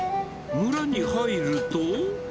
村に入ると。